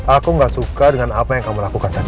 aku gak suka dengan apa yang kamu lakukan